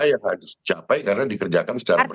yang harus dicapai karena dikerjakan secara